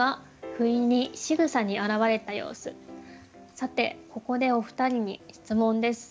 さてここでお二人に質問です。